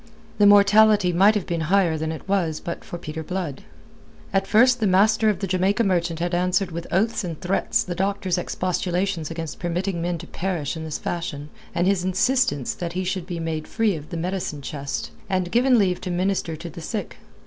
The mortality might have been higher than it was but for Peter Blood. At first the master of the Jamaica Merchant had answered with oaths and threats the doctor's expostulations against permitting men to perish in this fashion, and his insistence that he should be made free of the medicine chest and given leave to minister to the sick.